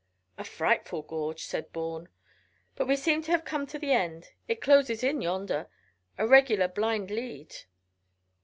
"A frightful gorge," said Bourne; "but we seem to have come to the end. It closes in yonder. A regular blind lead."